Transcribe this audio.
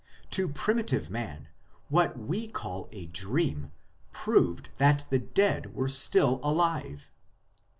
To primitive man what we call a dream proved that the dead were still alive.